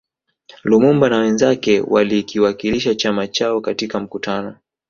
Lumumba na wenzake walikiwakilisha chama chao katika mkutano